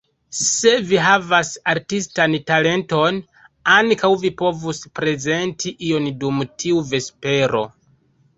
Se vi havas artistan talenton, ankaŭ vi povus prezenti ion dum tiu vespero.